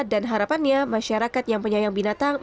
dan harapannya masyarakat yang penyayang binatang